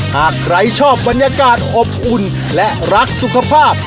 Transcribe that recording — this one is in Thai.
หากใครชอบบรรยากาศอบอุ่นและรักสุขภาพ